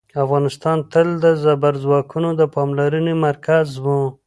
افغانستان تل د زبرځواکونو د پاملرنې مرکز و.